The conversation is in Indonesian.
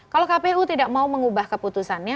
kalau kpu tidak mau mengubah keputusannya